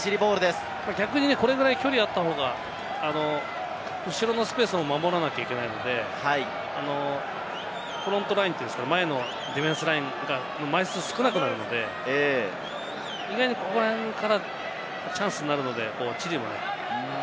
逆にこれぐらいあった方が後ろのスペースも守らなきゃいけないので、フロントラインって言うんですかね、前のディフェンスラインが枚数が少なくなるので、意外にここら辺からチャンスになるので、チリも。